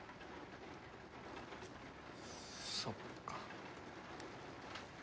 そっか。